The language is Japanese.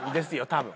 多分。